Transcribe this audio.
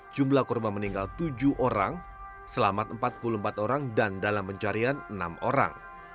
jumlah korban meninggal tujuh orang selamat empat puluh empat orang dan dalam pencarian enam orang